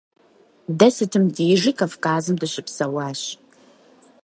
Дэ сытым дежи Кавказым дыщыпсэуащ.